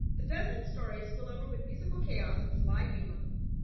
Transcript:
The dozen stories spill over with musical chaos and sly humor...